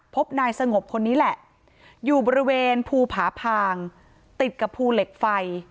พบนายสงบคนนี้แหละอยู่บริเวณภูผาพางติดกับภูเหล็กไฟ